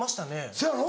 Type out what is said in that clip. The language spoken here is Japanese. せやろ。